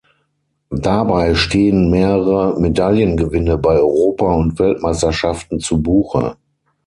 Dabei stehen mehrere Medaillengewinne bei Europa- und Weltmeisterschaften zu Buche.